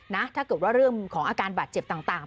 ถ้าเกิดว่าเรื่องของอาการบาดเจ็บต่าง